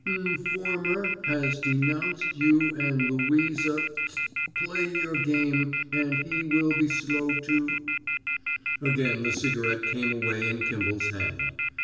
" nformer has denounced you and Louisa t play your game and he will be slow to " Again the cigarette came away in Kimball's hand.